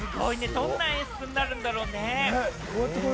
どんな演奏になるんだろうね？